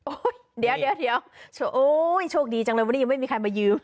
เดี๋ยวโอ้ยโชคดีจังเลยวันนี้ยังไม่มีใครมายืม